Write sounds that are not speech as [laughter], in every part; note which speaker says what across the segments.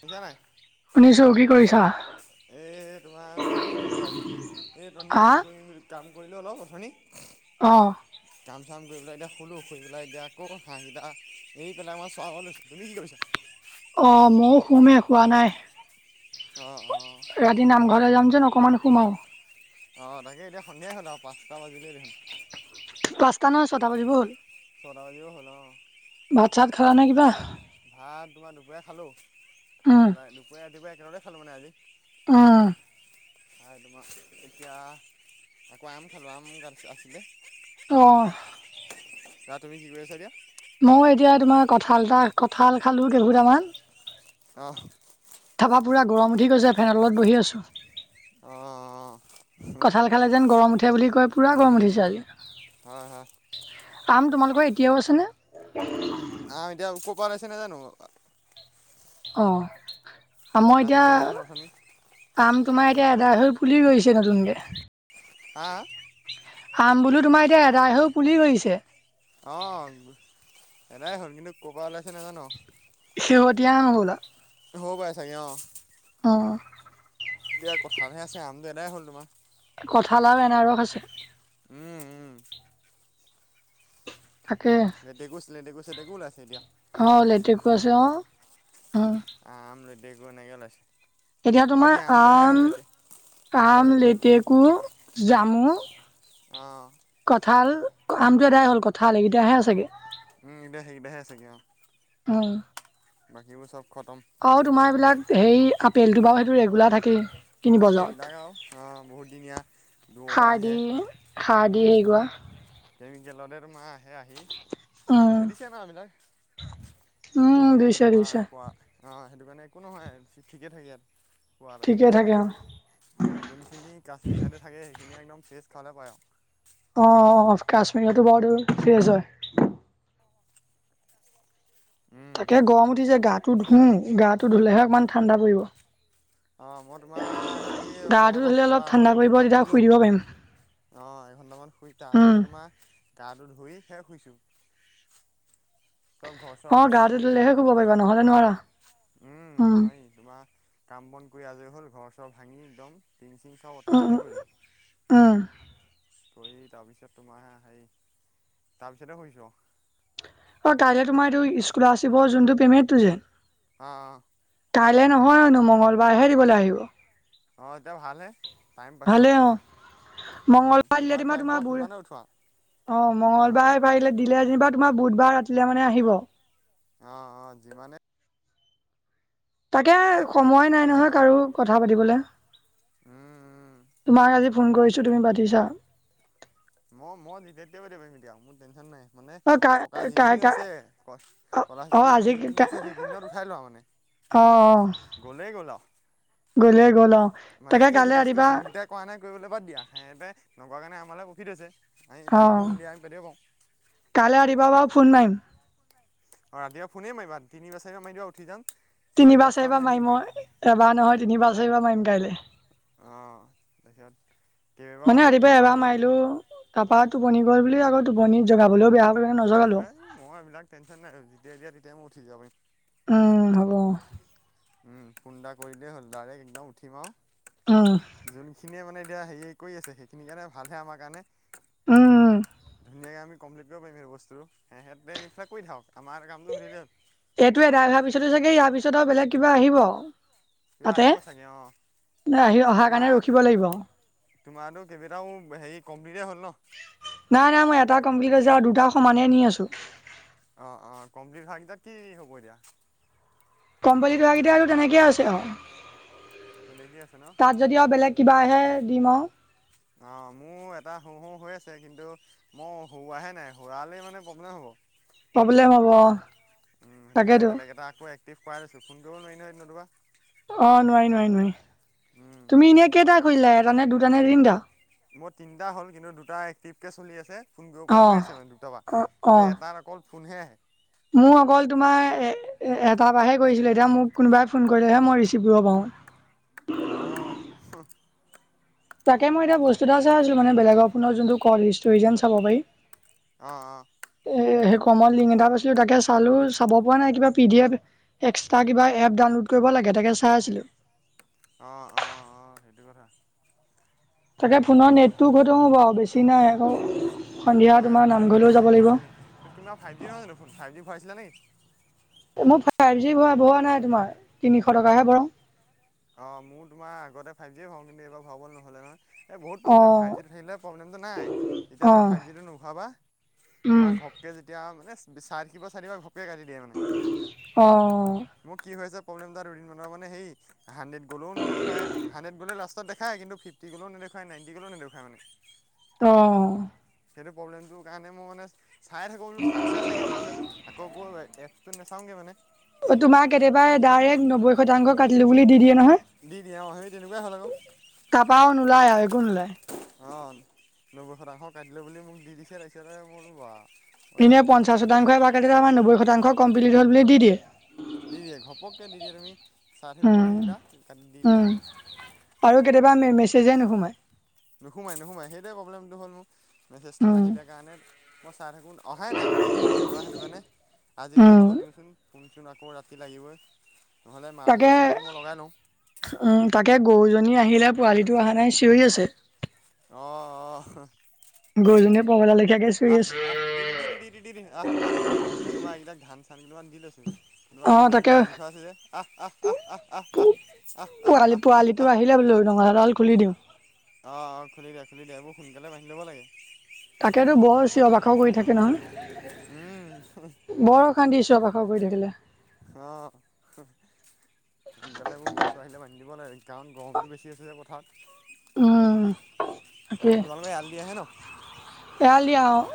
Speaker 1: শুনিছা নাই
Speaker 2: উননিছ [unintelligible]
Speaker 1: এই তোমাৰ খোলো দম দ আজি এই তী
Speaker 2: হা
Speaker 1: কাম কৰি কাম কৰিলোঁ অলপ অথনি
Speaker 2: আহ
Speaker 1: কাম চাম কৰি পেলাই এতিয়া খোলোঁৰি পেলাই এতি আকৌ হাঁহকেইটা এইৰি পেলাই আমাৰ চ লৈছো তুমি কি কৰিছা
Speaker 2: অ ময়ো খুমেই খোৱা নাই
Speaker 1: অঁ অঁ
Speaker 2: ৰাতি নামঘৰ যাম [unintelligible] অকমান সোমাও
Speaker 1: অ তাকে এতিয়া সন্ধিয়াই হ'ল আৰু পাঁচটা বাজিলে দেখোন
Speaker 2: পাঁচটা নহয় ছটা বাজিব হ'ল
Speaker 1: ছটা বাজিব হল
Speaker 2: খোৱা নাই কিবা
Speaker 1: ভাত তোমাৰ দুপৰীয়া খালো খাই পেলাই দুপৰীয়া ৰাতিপুৱাই একেলগৰে খালো মানে আজি
Speaker 2: আহ
Speaker 1: আৰু তোমাৰ এতিয়া আকৌ আম খালোম গ আছিলে
Speaker 2: আহ
Speaker 1: আহ তুমি কি কৰি আছা দিয়া
Speaker 2: মই এতিয়া তোমাৰ কঠাল এটা কঁঠাল খালো কেইঘোটামান
Speaker 1: আহ
Speaker 2: থাবা পুৰা গৰম উঠি গৈছে ফেনতলত বহি আছো
Speaker 1: অঁ
Speaker 2: কঠাল খালে যেন গৰম উঠি উঠে বুলি কয় পুৰা গম
Speaker 1: উম
Speaker 2: উঠিছে
Speaker 1: উম
Speaker 2: আজি
Speaker 1: হয় হয়
Speaker 2: আম তোমালোকৰ এতিয়াও আছে নে
Speaker 1: অ এতিয়া উপ পালছে নে জান [unintelligible]
Speaker 2: অ মই
Speaker 1: কাটিলে দেখোন অথনি
Speaker 2: এতিয়া আম তোমাৰ এতি এতিয়া আদা হৈ পুলি গৈছে নতুনকে
Speaker 1: হা
Speaker 2: আম বোলো তোমাৰ এতিয়া ই এদাই হৈ পুলি গৈছে
Speaker 1: অ এটাই হ'ল কিন্তু ক' পৰা ওলাইছে নাজানো
Speaker 2: শেহতীয়া নহ'লা
Speaker 1: হব পাই ছাগে অ [unintelligible]
Speaker 2: অঁ
Speaker 1: এতিয়া কঠালহে আছে আমতো এদাই হ'ল তোমাৰ
Speaker 2: কঁঠালাও এন আৰস আছে [unintelligible]
Speaker 1: উম উম
Speaker 2: তাকে
Speaker 1: লেটেকো ছেটেকো ওাইছে এতিয়া
Speaker 2: অ লেটেকো আছে অ
Speaker 1: পুৰা
Speaker 2: [unintelligible]
Speaker 1: দেগ ব নাই গলছে [unintelligible]
Speaker 2: এতিয়া তোমাৰ আম আম লেটেকু জামু
Speaker 1: অ
Speaker 2: কঁঠাল আমটো এদাই হল কঠাল এইকেইটাহে আচেগে
Speaker 1: উম এতিয়া সেইগেইটাহে আছেনে আও [unintelligible]
Speaker 2: উ
Speaker 1: বাকীবোৰ চব খতম
Speaker 2: অ তোমাৰ এইবিলাক সেই আপেলটো বাৰু সেইটো ৰেগুলাৰ থাকেই কিনিব
Speaker 1: এই
Speaker 2: যাওঁত
Speaker 1: সেইবিলাক আৰু বহুতদিনীয়া দূৰৰ পৰা
Speaker 2: সাৰ
Speaker 1: আহে
Speaker 2: দি সাৰ দি হেৰি কৰা
Speaker 1: কেমিকেলৰে মাহ আহে আহি [unintelligible]
Speaker 2: উম,
Speaker 1: মেডিচিন আৰু এবিলাক
Speaker 2: উম,
Speaker 1: আহি- আহি
Speaker 2: দিছে
Speaker 1: তোমাৰ
Speaker 2: দিছে
Speaker 1: পুৱ আহ [unintelligible] সেইটো কাৰণে একো নহয় ঠিকে থাকে ইয়াত। পোৱা লাগে
Speaker 2: ঠিকে থাকে
Speaker 1: যোনখিনি কাশ্মীৰ চাইডে থাকে সেইখিনি একদম ফ্ৰেচ খাবলে পায় আৰু
Speaker 2: অ কাশ্মীৰটো বৰ ফ্ৰেছ হয় [unintelligible]
Speaker 1: উম
Speaker 2: উম গাটো
Speaker 1: আমাৰ ইয়াত
Speaker 2: ধুলেহে অকমান ঠাণ্ডা পৰিব
Speaker 1: অ মই তোমাৰ হে অলপ
Speaker 2: গাটো
Speaker 1: আগত
Speaker 2: ধুলে
Speaker 1: হোৱাৰ
Speaker 2: ঠাণ্ডা
Speaker 1: আগত
Speaker 2: পৰিব
Speaker 1: এঘন্টামান
Speaker 2: তেতিয়া
Speaker 1: হলো
Speaker 2: শুই দিব পাৰিম
Speaker 1: অ এঘন্টামান শুই তাৰ
Speaker 2: উম
Speaker 1: আগতে তোমাৰ গাটো ধুই সে শুইছো ঘৰ চৰ
Speaker 2: অ
Speaker 1: ভাঙি
Speaker 2: গাতে
Speaker 1: আজৰি আজি
Speaker 2: ললেহে শুব
Speaker 1: কাম
Speaker 2: পাৰিবা নহ'লে নোৱাৰা
Speaker 1: উম হয় তোমাৰ কাম বন কৰি আজৰি হ'ল ঘৰ চব ভাঙি একদম টিং চিং চব আঁতৰাই
Speaker 2: উম উম
Speaker 1: আজৰি গলো
Speaker 2: উম
Speaker 1: [unintelligible] কৰি তাৰ পিছত তোমাৰে হেৰি তাৰপিছতে শুইছো [unintelligible]
Speaker 2: অ কাইলে তোমাৰ যোনটো পেমেণ্টটো যে [unintelligible]
Speaker 1: আহ আহ
Speaker 2: কাইলৈ নহয়নো মঙ্গলবাৰহে দিবলৈ আহিব [unintelligible]
Speaker 1: অ এতিয়া ভাল টাইম পাইছো অলপ অ'
Speaker 2: মঙলবাৰ দিলে
Speaker 1: যিমান টাইম
Speaker 2: তোমাৰ
Speaker 1: পাওঁ
Speaker 2: ব [unintelligible]
Speaker 1: সিমানে উঠোৱা
Speaker 2: অ
Speaker 1: অ'
Speaker 2: মঙ্গলবাৰে পাৰিলে দিলে যেনিবা তোমাৰ বুধবাৰ ৰাতিলে মানে আহিব [unintelligible]
Speaker 1: অ অ যিমানে
Speaker 2: তাকে সময় নাই
Speaker 1: তেতিয়াহে
Speaker 2: নহয়
Speaker 1: মই
Speaker 2: কাৰো কথা পাতিবলে
Speaker 1: উম
Speaker 2: তোমাক আজি ফোন কৰিছোঁ তুমি পাতিছা।
Speaker 1: মই মই যেতিয়া তেতিয়া পাতিব পাৰো বাৰু মোৰ টেনচন নাই [unintelligible] মানে
Speaker 2: অ কা
Speaker 1: থকা
Speaker 2: কা
Speaker 1: যিকেইদিন
Speaker 2: কা
Speaker 1: আছে কলা
Speaker 2: অ আজি কা
Speaker 1: যিকেইদিন আছে সেইকেইদিনত উঠাই লোৱা আৰু মানে
Speaker 2: অ অ
Speaker 1: [unintelligible] গ'লে গোল আৰু [unintelligible]
Speaker 2: গলে গ'ল আও
Speaker 1: মানে কি আ হৈছে গেছটো জোনকেইটাই কৰা নাই কৰিবলৈ বাদ দিয়া সেহতে নকৰা কাৰণে আমাৰে [unintelligible] থৈছে
Speaker 2: অ কাইলৈ ৰাতিপুৱা বাৰু ফোন মাৰিম।
Speaker 1: অ ৰাতিপুৱা ফোনেই মাৰিবা তিনি বাৰ চাৰিবাৰ মাৰিবা উঠি যাম। চাৰি পাঁচটামান
Speaker 2: তিনিবাৰ-চাৰিবাৰ
Speaker 1: বান্ধি
Speaker 2: মাৰিম অ
Speaker 1: দিমেই
Speaker 2: এবাৰ নহয় তিনিবাৰ- চাৰিবাৰ মাৰিম কাইলে।
Speaker 1: অঁ তাৰপিছত কেইবাবাৰো
Speaker 2: মানে
Speaker 1: হেৰি
Speaker 2: ৰাতিপুৱা
Speaker 1: কৰিব পৰা
Speaker 2: এবাৰ
Speaker 1: হ'ব তেতিয়া
Speaker 2: মাৰিলো তাৰপা। টোপনি গল বুলি ভাবিলো টোপনিত জগাবলৈও বেয়া কাৰণে নজগালো
Speaker 1: এই মই এইবিলাক টেনশ্যন নাই যেতিয়াই দিয়া তেতিয়াই মই উঠি যাব পাৰিম।
Speaker 2: উম হ'ব
Speaker 1: উম ফোন এটা কৰিলেই হ'ল ডাইৰেক্ট একদম উঠিম
Speaker 2: উম
Speaker 1: আৰু যোনখিনিয়ে মানে হে কৰি আছে সেইখিনি কাৰণে ভালহে আমাৰ কাৰণে
Speaker 2: উম
Speaker 1: ধুনীয়াকে আমি কমপ্লিট কৰিব পাৰিম সেই বস্তু। সেহেতে এই বিলাক কৰি থাকক আমাৰ কামটো হৈ থাকিলে হল
Speaker 2: এইটোৱে এদাই হাৰ পিছতো চাগে ইয়াৰ পিছত আৰু বেলেগ কিবা আহিব।
Speaker 1: কিবা
Speaker 2: তাতে
Speaker 1: আহিব চাগে অঁ
Speaker 2: আহি অহাৰ কাৰণে ৰখিব লাগিব।
Speaker 1: তোমাৰো কেইবেইটাও হেৰি কম
Speaker 2: নাই নাই মই এটা কমপ্লিট কৰিছো আৰু দুটা সমানেই নি আছো।
Speaker 1: অ অ কমপ্লিট হোৱা গেইটা কি হ'ব এতিয়া
Speaker 2: কম্পলীট হোৱাকেইটা আৰু তেনেকেই আছে আৰু।
Speaker 1: সেনে কেই আছে ন।
Speaker 2: কিবাহে দিম আৰু।
Speaker 1: অ মোৰ এটা হো হু হৈ আছে কিন্তু মই হুৱাহে নাই হোৱালৈ মানে প্ৰব্লেম হ'ব।
Speaker 2: প্ৰব্লেম হ'ব
Speaker 1: উম সেইটো কাৰণে
Speaker 2: তাকেতো
Speaker 1: বেলেগ এটা আকৌ এক্টিভ কৰাই লৈছো ফোনটোও নোৱাৰি নহয়। নতুবা
Speaker 2: অ নোৱাৰি- নোৱাৰি নোৱাৰি
Speaker 1: উম
Speaker 2: তুমি এনে কেইটা কৰিলা এটা নে দুটা নে তিনিটা?
Speaker 1: মোৰ তিনিটা হ'ল কিন্তু দুটা এক্টিভ কে চলি আছে। ফোন গ
Speaker 2: অ
Speaker 1: পৰা হৈ আছে মানে দুটাৰ বা
Speaker 2: অ অ
Speaker 1: কিন্তু এটাত অকল ফোনহে আহে।
Speaker 2: মোৰ অকল তোমাৰ এ এটাৰ পৰাহে কৰিছিলে এতিয়া মোক কোনোবাই ফোন কৰিলেহে মই ৰিচিভ কৰিব পাৰোঁ।
Speaker 1: অহ।
Speaker 2: তাকে মই এতিয়া বস্তু এটা চাই আছিলো মানে বেলেগৰ ফোনত যোনটো কন ষ্টোৰিজিয়াম চাব পাৰি।
Speaker 1: অ অ।
Speaker 2: এ সেই কমত লিংক এটা পাইছিলো তাকে চালো চাব পৰা নাই কিবা পি ডি এফ এক্সট্ৰা কিবা এপ ডাউনলোড কৰিব লাগে একেটাকে চাই আছিলোঁ
Speaker 1: অ অ অ সেইটো কথা।
Speaker 2: তাকে ফোনৰ নেটটো গৈ থাকে বাৰু বেছি নাই আকৌ সন্ধিয়া
Speaker 1: অ এম
Speaker 2: তোমাৰ
Speaker 1: বি টো নাই
Speaker 2: নামঘৰলৈও যাব
Speaker 1: কম
Speaker 2: লাগিব
Speaker 1: হৈছে নে তুমাৰ ফাইভ জি নহয় জানো ফোন ফাইভ জি ভৰাইছিলা নেকি
Speaker 2: মোৰ ফাইভ জি হোৱা ভৰোৱা নাই তোমাৰ তিনিশ টকাহে ভৰাও।
Speaker 1: অ মোৰ তোমাৰ আগতে ফাইভ জি ভৰাও কিন্তু এইবাৰ ভৰোৱা নহ'লে নহয় এই বহুত
Speaker 2: অ
Speaker 1: প্ৰব্লেম ফাইভ জিটো থাকিলে প্ৰব্লেমটো নাই এতিয়া
Speaker 2: অ
Speaker 1: তুমি ফাইভ জিটো নোহোৱা পা
Speaker 2: উম
Speaker 1: তোমাৰ ঘপকে যেতিয়া মানে চাই থাকিব চাই থাকিব ঘপকে কাটি দিয়ে মানে।
Speaker 2: অ
Speaker 1: মোৰ কি হৈছে। প্ৰব্লেম এটা দুদিনমানৰ সেই হাণ্ড্ৰেড' গলো নেদেখুৱাই হাণ্ড্ৰেড গলে লাষ্টত দেখায় কিন্তু ফিফটি গলেও নেদেখাই নাইনটি গলো নেদেখুৱাই মানে।
Speaker 2: অহ।
Speaker 1: সেইটো প্ৰব্লেমটোৰ কাৰণে মই মানে চাই থাকোঁ বোলো আছে চাগে তাৰপিছত আকৌ এপচটোত নেচাওঁগে মানে।
Speaker 2: অ তোমাক কেতিয়া ডাইৰেক্ট নব্বৈ শতাংশ কাটিলো বুলি দি দিয়ে
Speaker 1: দি দিয়ে অ সেই তেনেকুৱাই হ'ল আকৌ
Speaker 2: নহয় তাপাও নোলায় আৰু একো নোলায়।
Speaker 1: অ নব্বৈ শতাংশ কাটিলো বুলি মোক দি দিছে তাৰপিছতে মোৰো বা মই
Speaker 2: এনে পঞ্চাশ
Speaker 1: দেখোন
Speaker 2: শতাংশইকাতি আমাৰ নব্বৈ শতাংশ কমপ্লিট হল বুলি দি দিম।
Speaker 1: দি দিয়ে ঘপককৈ দি দিয়ে তুমি চাই
Speaker 2: উম
Speaker 1: নেথাকিলে মানে কাটি দি দিয়ে মানে।
Speaker 2: আৰু কেতিয়াবা। নিজে নোসোমায়।
Speaker 1: নোসোমাই নোসোমাই সেইটোৱে প্ৰব্লেমটো হ'ল মোক মেছেজটো
Speaker 2: উম
Speaker 1: নাহিলে কাৰণে। মই চাই থাকো অহাই নাই মানে এইকেইদিন তাৰপা সেইটো কাৰণে আজি বোলো
Speaker 2: উম
Speaker 1: থৈ দিওঁচোন। চোন আকৌ ৰাতি লাগিবই। নহ'লে মা ভাগৰ
Speaker 2: তাকে
Speaker 1: চিমটো মই লগাই লওঁ
Speaker 2: উম তাকে গৰুজনী। আহিলে পোৱালিটো অহা নাই চিঞৰি আছে।
Speaker 1: অ অ।
Speaker 2: গৰুজনীয়ে পগলা লেখীয়াকে চিঞৰি
Speaker 1: আহ
Speaker 2: আছে
Speaker 1: আহ টি টি টি টি অহ অহ। মই তোমাৰ এইবিলাক ধান চান কেইটামান দি লৈছো। কি
Speaker 2: অ
Speaker 1: আজি
Speaker 2: তাকে
Speaker 1: দিনটো বান্ধি থোৱা আছিল যে আহ আহ আহ আহ আহ আহ আহ আহ আহ আহ আহ।
Speaker 2: নলঙা ডাল খুলি দিও।
Speaker 1: অ অ খুলি দিয়া খুলি দিয়া এইবোৰ সোনকালে বান্ধি ল'ব লাগে।
Speaker 2: তাকেতেতো বৰ চিঞ বাখৰ কৰি থাকে নহয়।
Speaker 1: উম।
Speaker 2: কান্দি চিৱৰ বাখৰ কৰি থাকিলে।
Speaker 1: অহ। সোনকালে মোৰ গৰু চৰো আহিলে বান্ধি দিব লাগে কাৰণ গৰমটো বেছি আছে যে পথাত।
Speaker 2: উম তাকে
Speaker 1: তোমালোকৰ এৰাল দি আহে ন?
Speaker 2: এৰালি আৰু।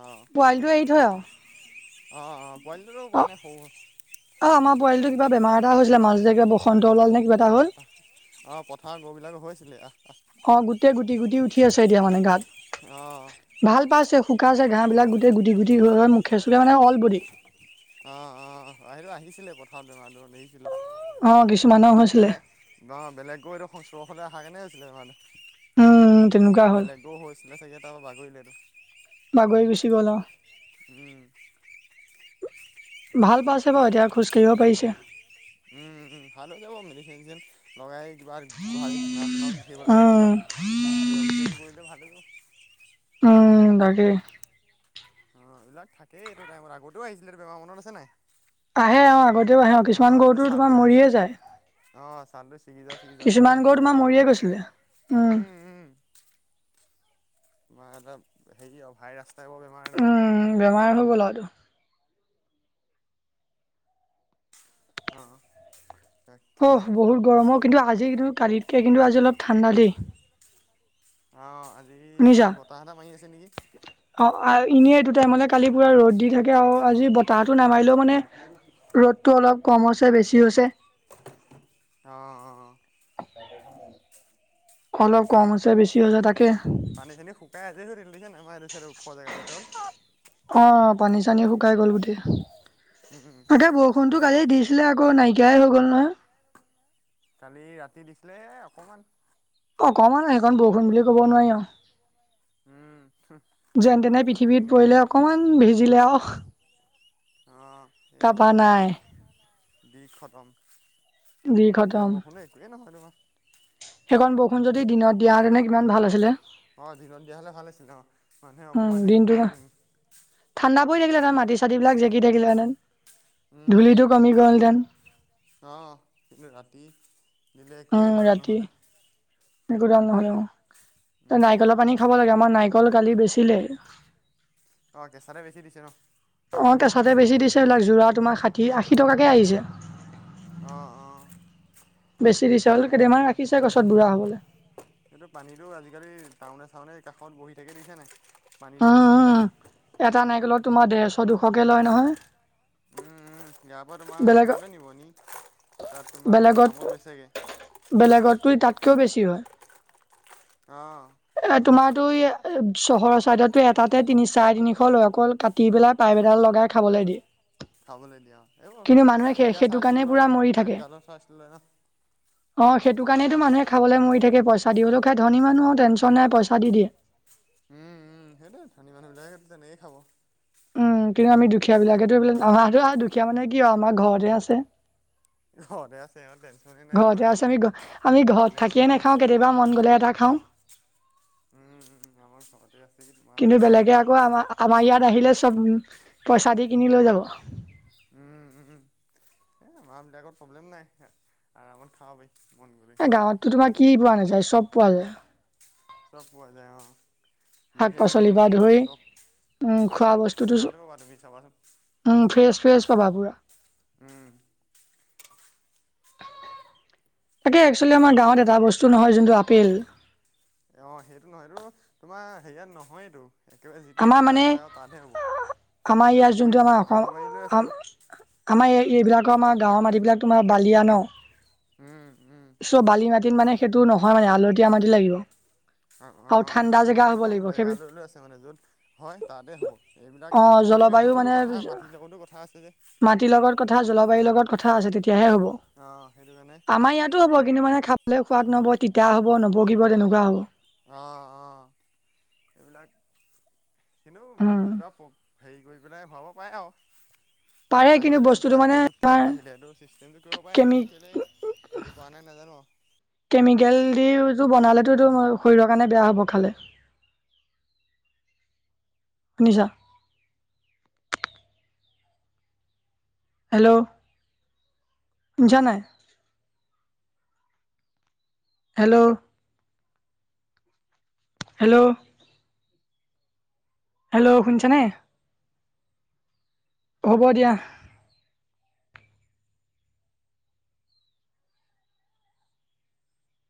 Speaker 1: অ',
Speaker 2: পোৱালিটো এৰি থয় আৰু।
Speaker 1: অ অ। পোৱালিটোতো
Speaker 2: অ
Speaker 1: উপায় নাই সৰু
Speaker 2: অ আমাৰ পোৱালিটো কিবা বেমাৰ এটা হৈছিলে মাজ। বসন্ত ওলালে নে কিবা এটা হ'ল।
Speaker 1: অ', পথাৰৰ গৰুবিলাক হৈছিলে অ',
Speaker 2: অ গোটেই গুটি গুটি উঠি আছে এতিয়া মানে গাত।
Speaker 1: অ',
Speaker 2: ভাল পাইছে শুকাইছে ঘাঁ বিলাক গোটেই গুটি গুটি হৈ মুখে চুখে মানে অল বডি
Speaker 1: আহ অ আহিলো আহিছিলে পথাৰ বেমাৰ আহিছিলো।
Speaker 2: অ কিছুমানৰ
Speaker 1: এই
Speaker 2: হৈছিলে
Speaker 1: বেলেগ ব বেলেগ গৈ এইটো চশলে অহা কেনে হৈছিলে মানে।
Speaker 2: অ
Speaker 1: বেলেগবোৰ হৈছিলে চাগে তাৰপা বাগৰিলে
Speaker 2: বাগৰি গুচি গ'ল অ
Speaker 1: তোৰ। উম।
Speaker 2: ভাল পাইছে বাৰু এতিয়া খোজকাঢ়িব পাৰিছে।
Speaker 1: উম উম ভাল হৈ যাব মেডিচিন- চেডিচিন লগাই। কিবা গোহালি ধূনা চুনাও লিখিব লাগে এনেকুৱা
Speaker 2: উম
Speaker 1: নিয়ম চিয়ম কৰিলে ভাল হৈ যাব।
Speaker 2: উম তাকে।
Speaker 1: অঁ এইবিলাক থাকেই এইটো টাইমত আগতেও আহিছিলে বেমাৰ মনত আছে নাই।
Speaker 2: আহে আহ আগতেও আহে অ কিছুমান গৰুটো তোমাৰ মৰিয়ে যায়।
Speaker 1: চালটো চিগিজা চিগিজা লিখিয়া
Speaker 2: কিছুমান
Speaker 1: হৈছিলে
Speaker 2: গৰু
Speaker 1: যে
Speaker 2: তোমাৰ
Speaker 1: আগতেও
Speaker 2: মৰিয়ে গৈছিলে
Speaker 1: উম উম। তোমাৰ হেৰি অ ভাইৰাছ। টাইপৰ বেমাৰ এইটো অ'
Speaker 2: উম বেমাৰ হৈ গ'ল আৰু তো।
Speaker 1: অহঁ।
Speaker 2: অ বহুত গৰমৰ কিন্তু আজি কিন্তু কালিতকে কিন্তু আজি অলপ ঠাণ্ডা দেই।
Speaker 1: অ আজি
Speaker 2: শুনিছা
Speaker 1: বতাহ এটা মাৰি আছে নেকি।
Speaker 2: অ এনেই এইটো টাইমলৈ কালি পুৰা ৰ'দ দি থাকে আৰু আজি বতাহতটো নামাৰিলেও মানে। ৰ'দটো অলপ কম হৈছে বেছি হৈছে।
Speaker 1: অ' অ'
Speaker 2: [unintelligible] অলপ কম হৈছে বেছি হৈছে তাকে।
Speaker 1: পানী চানী শুকাই আছে সুৰিছে ন আমাৰ ওখোৱা জেগা ভিতৰত।
Speaker 2: অ পানী চানী শুকাই গ'ল গোটেই।
Speaker 1: উম উম
Speaker 2: তাকে বৰষুণতটো
Speaker 1: তোমাৰ
Speaker 2: কালিয় দিছিলে আকৌ নাইকিয়াই হৈ গ'ল নহয়।
Speaker 1: কালি ৰাতি দিছিলে অকমান।
Speaker 2: অকমান সেইখন বৰষুণ বুলি ক'ব নোৱাৰি
Speaker 1: উম
Speaker 2: আৰু। যেন তেনে পৃথিৱীত
Speaker 1: বৰষুণেই নাই
Speaker 2: পৰিলে অকমান ভিজিলে আহ।
Speaker 1: অ এই অকণমান দি খতম। সেই জাক বৰষুণে একোৱে নহয় তোমাৰ।
Speaker 2: সেইকন বৰষুণ যদি দিনত দিয়া তেনে কিমান ভাল আছিলে।
Speaker 1: অ দিনত দিয়া হ'লে ভাল আছিলে অ মানুহে
Speaker 2: উম
Speaker 1: অকমান হেৰি কৰিব পাৰিলো।
Speaker 2: হৈ থাকিলে হেতেন মাটি চাটিবিলাক জেগি থাকিলে হেতেন।
Speaker 1: উম
Speaker 2: ধূলিটো
Speaker 1: উম
Speaker 2: কমি গ'ল হেতেন।
Speaker 1: অ কিন্তু ৰাতি দিলে একোৱেই ডাল নহ'লে।
Speaker 2: একো ডাল নহয় অ
Speaker 1: উম
Speaker 2: নাৰিকলৰ পানী খাব লাগে আমাৰ নাৰিকল কালি বেচিলে।
Speaker 1: অ কেচাতে বেছি দিছে ন।
Speaker 2: অ কেচাতে বেছি দিছে এইবিলাক যোৰা তোমাৰ ষাঠি আশী টকাকৈ আহিছে।
Speaker 1: অঁ অঁ
Speaker 2: বেছি দিছে হ'লে কেইদিমান ৰাখিছে গছত বুঢ়া হ'বলৈ।
Speaker 1: এইটো পানীটো আজিকালি টাউনে চাউনে এই কাষত বহি থাকে দিছে নাই।
Speaker 2: উম
Speaker 1: পানীটো বেচি পেলাই
Speaker 2: হম এটা নাইকলত তোমাৰ ডেৰশ দুশকে লয় নহয়।
Speaker 1: উম উম গা পা তোমাৰ
Speaker 2: বেলেগত
Speaker 1: কমতে নিব নি তাত তোমাৰ দামো লৈছে
Speaker 2: বেলেগত তাতকৈও বেছি হয়।
Speaker 1: অ
Speaker 2: এ তোমাৰ তো ই চহৰৰ চাইদতো এটাতে তিনি চাৰে তিনিশ লৈ অকল কাটি পেলাই পাই। লগাই খাবলৈ দিয়ে
Speaker 1: খাবলৈ দিয়া অ এইবোৰ
Speaker 2: কিন্তু মানুহে
Speaker 1: কাটি
Speaker 2: সেই
Speaker 1: দিয়া
Speaker 2: সেইটো কাৰণে
Speaker 1: চাইছিলোঁ
Speaker 2: পুৰা
Speaker 1: নহয়
Speaker 2: মৰি থাকে।
Speaker 1: পাইপ ডালৰ চাইছিলোঁ নহয়।
Speaker 2: অ সেইটো কাৰণেইেতো মানুহে খাবলৈ মৰি থাকে পইচা দি সেইো খাই ধনী মানুহ টেনচন নাই পইচা দি দিয়ে
Speaker 1: উম উম সেইটো ধনী মানুহ বিলাকে তেনেকে খাব।
Speaker 2: উম কিন্তু আমি দুখীয়া বিলাকেতো বোলে অহাটো আহ দুখীয়া মানে কি হয় আমাৰ ঘৰতে আছে।
Speaker 1: ঘৰতে আছে অ দে-
Speaker 2: ঘৰতে আছে আমি আমি ঘৰত থাকিয়ে
Speaker 1: মানুহটো
Speaker 2: নাখাওঁ কেতিয়াবা মন গলে এটা খাওঁ।
Speaker 1: উম উমম আমাৰ খত
Speaker 2: কিন্তু বেলেগে আকৌ আমাৰ আমাৰ ইয়াত
Speaker 1: খালেই হ'ল
Speaker 2: আহিলে চব পইচা দি কিনি লৈ যাব
Speaker 1: উম উম আমাৰ বিলাকত প্ৰব্লেম নাই আৰামত খাব প
Speaker 2: এ গাঁৱততো তোমাৰ কি পোৱা নাযায় চব পোৱা যায়
Speaker 1: চব পোৱা যায় অ
Speaker 2: শাক
Speaker 1: বিধে বিধে
Speaker 2: পাচলিৰ পৰা
Speaker 1: বস্তু
Speaker 2: ধৰি
Speaker 1: চব
Speaker 2: উম
Speaker 1: ভাল
Speaker 2: খোৱা
Speaker 1: ভাল বস্তুটো
Speaker 2: বস্তুতটো
Speaker 1: গাঁৱতে পাবা তুমি চাবাচোন
Speaker 2: উম ফ্ৰেছ ফ্ৰেছ পাবা পুৰা
Speaker 1: উ
Speaker 2: তাকে একচোৱেলি আমাৰ গাঁৱত এটা বস্তু নহয় যোনটো আপেল
Speaker 1: অ সেইটো নহয় এইটো তোমাৰ হেৰিয়াত নহয়তো একেবাৰে যিটো
Speaker 2: আমাৰ মানে
Speaker 1: জেগাত হয় আৰু তাতহে হ'ব
Speaker 2: আমাৰ
Speaker 1: এই
Speaker 2: ইয়াত
Speaker 1: পৰি
Speaker 2: যোনটো আমাৰ অসম
Speaker 1: জলবায়ু লৈ আছে ন
Speaker 2: আমাৰ ইয়াত এইবিলাকৰ আমাৰ গাঁৱৰ মাটিবিলাক তোমাৰ বালিয়া ন
Speaker 1: উম উ
Speaker 2: চব বালি মাটিত মানে সেইটো নহয় মানে আলতীয়া মাটি লাগিব
Speaker 1: অ অ
Speaker 2: আৰু
Speaker 1: অ সেইটো
Speaker 2: ঠাণ্ডা
Speaker 1: তোমাৰ
Speaker 2: জেগা হ'ব
Speaker 1: একদম
Speaker 2: লাগিব সেই
Speaker 1: জেগালৈ লৈ আছে মানে যত হয় তাতে হ'ব এইবিলাক
Speaker 2: অ
Speaker 1: পৰি
Speaker 2: জলবায়ু মানে মাটিৰ লগত কথা জলবায়ুৰ লগত কথা আছে তেতিয়াহে হ'ব
Speaker 1: অ সেইটো কাৰণে
Speaker 2: আমাৰ ইয়াতো হ'ব কিন্তু মানে খাব পোৱাত নব তিতা হ'ব নপকিপ তেনেকোৱা হ'ব
Speaker 1: অ অ এইবিলাক কিন্তু
Speaker 2: উম
Speaker 1: কিবা হেৰি কৰি পেলাই ভৰাব পাৰে। আৰু
Speaker 2: পাৰে কিন্তু
Speaker 1: আজিকালি
Speaker 2: বস্তুটো
Speaker 1: কিমান
Speaker 2: মানে
Speaker 1: প্ৰযুক্তি
Speaker 2: আমাৰ
Speaker 1: আগবাঢ়িলে সেইটো চিষ্টেমটো কৰিব পাৰেি
Speaker 2: কেমি
Speaker 1: কিন্তু কেলে হেৰি কৰা নাই নাজ- জান
Speaker 2: কেমিকেল- টো বনালেতো এইটো শৰীৰৰ কাৰণে বেয়া হ'ব খালে- শুনিছা। হেল্ল' শুনিছা নাই- হেল্ল' হেল্ল' হেল্ল' শুনিছা নাই? হ'ব দিয়া।